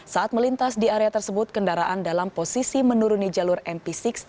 saat melintas di area tersebut kendaraan dalam posisi menuruni jalur mp enam puluh